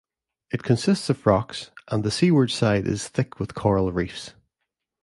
It consists of rocks, and the seaward side is thick with coral reefs.